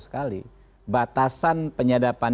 sekali batasan penyadapan